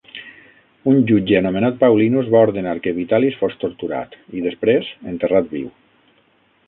Un jutge anomenat Paulinus va ordenar que Vitalis fos torturat i, després, enterrat viu.